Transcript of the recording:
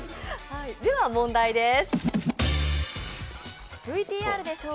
では問題です。